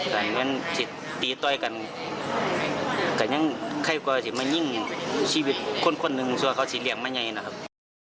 ๒๗ปีแต่งั้นที่ตีต้อยกันแต่งั้นไข้ก็จะไม่ยิ่งชีวิตคนหนึ่งส่วนเขาจะเลี่ยงไม่ใหญ่นะครับ